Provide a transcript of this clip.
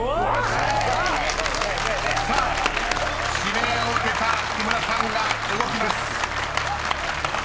［さあ指名を受けた木村さんが動きます］